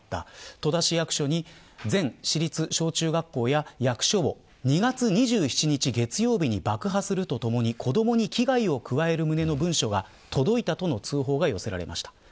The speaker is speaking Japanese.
戸田市役所に全市立小中学校や役所を２月２７日月曜日に爆破するとともに子どもに危害を加える旨の文書が届いたとの通報が寄せられました。